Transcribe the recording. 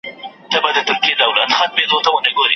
د شهیدانو شمېر معلوم نه دی